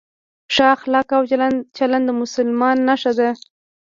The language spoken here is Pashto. ښه اخلاق او چلند د مسلمان نښه ده.